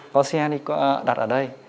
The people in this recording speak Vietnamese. có xe thì đặt ở đây